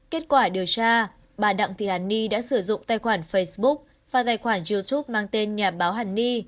kết quả điều tra bà đặng thị hàn ni đã sử dụng tài khoản facebook và tài khoản youtube mang tên nhà báo hàn ni